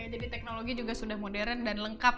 jadi teknologi juga sudah modern dan lengkap